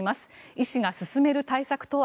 医師が勧める対策とは。